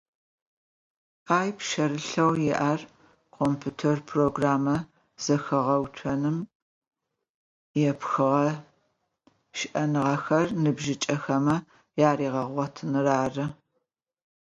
Ащ пшъэрылъэу иӏэр компьютер программэ зэхэгъэуцоным епхыгъэ шӏэныгъэхэр ныбжьыкӏэхэмэ аригъэгъотыныр ары.